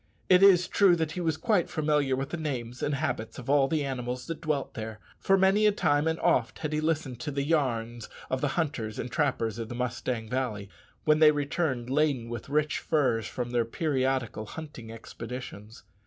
It is true he was quite familiar with the names and habits of all the animals that dwelt there; for many a time and oft had he listened to the "yarns" of the hunters and trappers of the Mustang Valley, when they returned laden with rich furs from their periodical hunting expeditions.